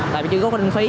tại vì chưa có kinh phí